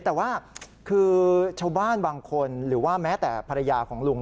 แต่ว่าคือชาวบ้านบางคนหรือว่าแม้แต่ภรรยาของลุง